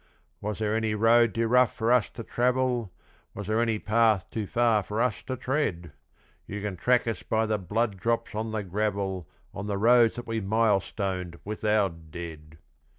Was there any road too rough for us to travel? Was there any path too far for us to tread? You can track us by the blood drops on the gravel On the roads that we milestoned with our dead!